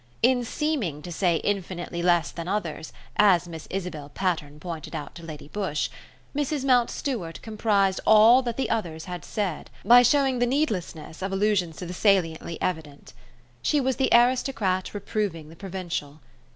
In seeming to say infinitely less than others, as Miss Isabel Patterne pointed out to Lady Busshe, Mrs. Mountstuart comprised all that the others had said, by showing the needlessness of allusions to the saliently evident. She was the aristocrat reproving the provincial.